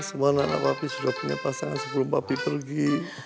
semua anak papi sudah punya pasangan sebelum papi pergi